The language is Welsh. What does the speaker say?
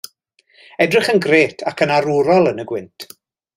Edrych yn grêt ac yn arwrol yn y gwynt.